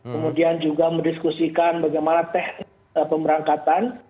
kemudian juga mendiskusikan bagaimana technik pemerangkatan